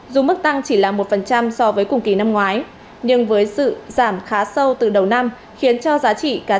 giá trị là một so với cùng kỳ năm ngoái nhưng với sự giảm khá sâu từ đầu năm khiến cho giá trị cá